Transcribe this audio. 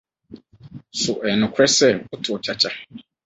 So ɛyɛ nokware sɛ wotow kyakya?